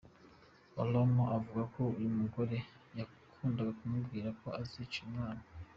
Olomo avuga ko uyu mugore yakundaga kumubwira ko azica uyu mwana.